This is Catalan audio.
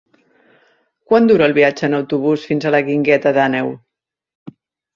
Quant dura el viatge en autobús fins a la Guingueta d'Àneu?